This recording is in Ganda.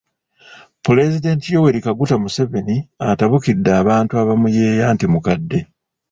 Pulezidenti Yoweri Kaguta Museveni atabukidde abantu abamuyeeya nti mukadde.